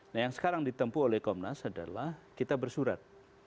nah yang sekarang ditempuh oleh komnas adalah kita bersurat